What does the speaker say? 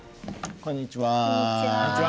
こんにちは。